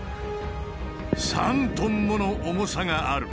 ３トンもの重さがある。